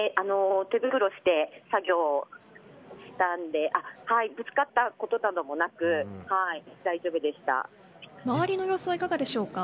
手袋して作業をしたんでぶつかったことなどもなく周りの様子はいかがでしょうか。